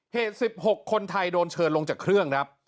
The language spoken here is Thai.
เหตุสิบหกคนไทยโดนเชิญลงจากเครื่องครับ